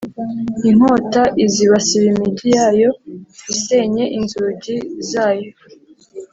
Inkota izibasira imigi yayo, isenye inzugi zayo,